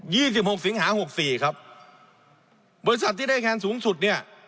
สิบหกสิงหาหกสี่ครับบริษัทที่ได้คะแนนสูงสุดเนี่ย